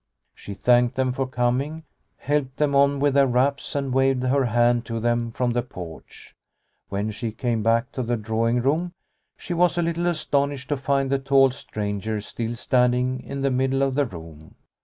She thanked them for coming, helped them on with their wraps, and waved her hand to them from the porch. When she came back to the drawing room she was a little astonished to find the tall stranger still standing in the middle of the room.